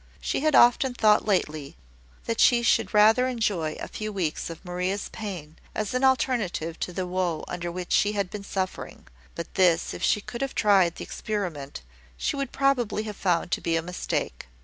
She had often thought lately, that she should rather enjoy a few weeks of Maria's pain, as an alternative to the woe under which she had been suffering; but this, if she could have tried the experiment, she would probably have found to be a mistake.